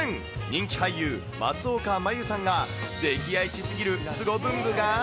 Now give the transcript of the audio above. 人気俳優、松岡茉優さんが溺愛し過ぎるすご文具が。